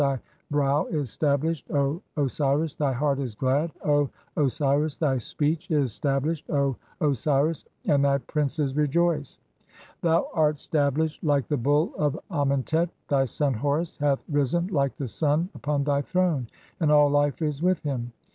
Thy brow is stablished, "(51) O Osiris. Thy heart is glad, [O Osiris]. Thy speech (?) "is stablished, [O Osiris], and thy princes rejoice. Thou art "stablished like the Bull of Amentet. (52) Thy son Horus hath "risen like the sun upon thy throne, and all life is with him.